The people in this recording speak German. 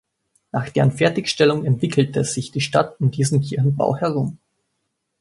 Nach deren Fertigstellung entwickelte sich die Stadt um diesen Kirchenbau herum.